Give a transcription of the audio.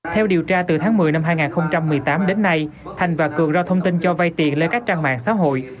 theo điều tra từ tháng một mươi năm hai nghìn một mươi tám đến nay thành và cường ra thông tin cho vay tiền lên các trang mạng xã hội